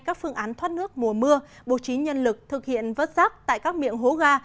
các phương án thoát nước mùa mưa bổ trí nhân lực thực hiện vớt rác tại các miệng hố ga